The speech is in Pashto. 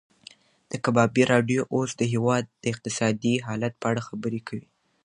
د کبابي راډیو اوس د هېواد د اقتصادي حالت په اړه خبرې کوي.